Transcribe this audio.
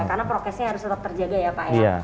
karena prokesnya harus tetap terjaga ya pak ya